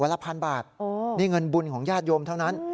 ละพันบาทนี่เงินบุญของญาติโยมเท่านั้น